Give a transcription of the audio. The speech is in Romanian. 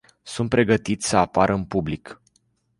Sunt pregătiți să apară în public.